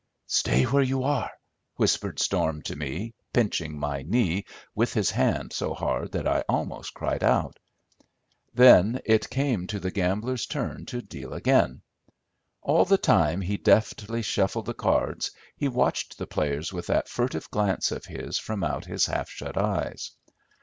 "Stay where you are," whispered Storm to me, pinching my knee with his hand so hard that I almost cried out. Then it came to the gambler's turn to deal again. All the time he deftly shuffled the cards he watched the players with that furtive glance of his from out his half shut eyes.